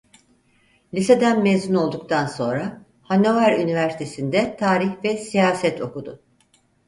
Liseden mezun olduktan sonra Hannover Üniversitesi'nde tarih ve siyaset okudu.